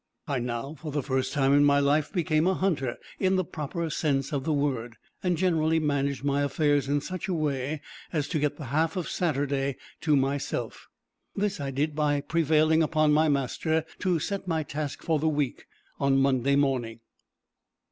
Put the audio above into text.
I now, for the first time in my life, became a hunter, in the proper sense of the word; and generally managed my affairs in such a way as to get the half of Saturday to myself. This I did by prevailing on my master to set my task for the week on Monday morning.